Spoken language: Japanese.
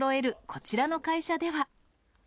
こちらの会社では。